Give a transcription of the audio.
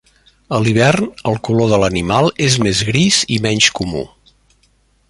A l'hivern el color de l'animal és més gris i menys comú.